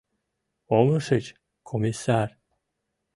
Умылышыч, комиссар?